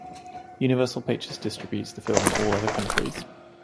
Universal Pictures distributes the film in all other countries.